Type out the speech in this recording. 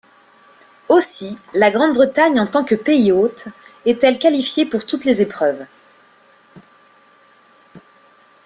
Aussi, la Grande-Bretagne en tant que pays hôte est-elle qualifiée pour toutes les épreuves.